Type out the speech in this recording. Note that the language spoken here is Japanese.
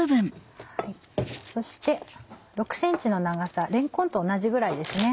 そして６ｃｍの長されんこんと同じぐらいですね。